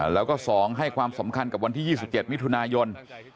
แล้วก็๒ให้ความสำคัญกับวันที่๒๗มิถุนายน